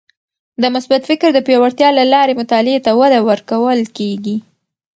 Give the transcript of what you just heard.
د مثبت فکر د پیاوړتیا له لارې مطالعې ته وده ورکول کیږي.